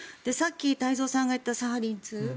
さっき、太蔵さんが言ったサハリン２。